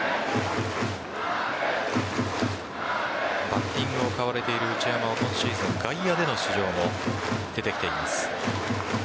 バッティングを買われている内山は今シーズン外野での出場も出てきています。